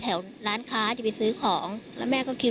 แล้วหลังจากนั้นเราขับหนีเอามามันก็ไล่ตามมาอยู่ตรงนั้น